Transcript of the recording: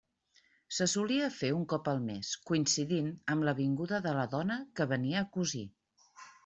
Se solia fer un cop al mes, coincidint amb la vinguda de la dona que venia a cosir.